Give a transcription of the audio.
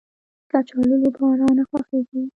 کچالو له بارانه خوښیږي